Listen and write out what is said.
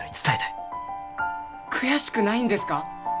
悔しくないんですか？